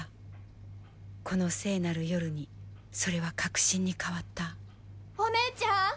この聖なる夜にそれは確信に変わったお姉ちゃん。